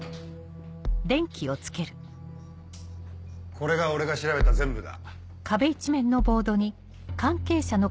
これが俺が調べた全部だ。